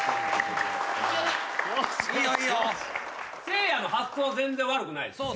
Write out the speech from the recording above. せいやの発想は全然悪くない。